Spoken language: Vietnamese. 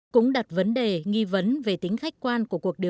cũng đặt vấn đề nghi vấn về tính khách quan